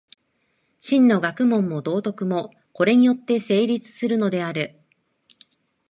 真の学問も道徳も、これによって成立するのである。